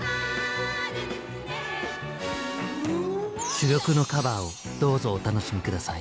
珠玉のカバーをどうぞお楽しみ下さい。